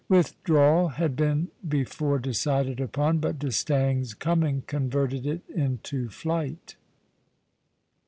Withdrawal had been before decided upon, but D'Estaing's coming converted it into flight.